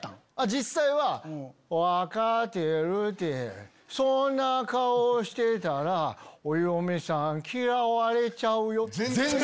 実際は「分かてるぅてそんな顔してぇたらお嫁さん嫌われちゃうよ」。